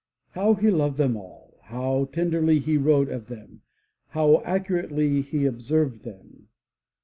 How he loved them all, how tenderly he wrote of them, how accurately he observed them.